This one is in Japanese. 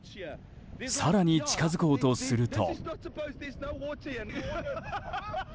更に近づこうとすると。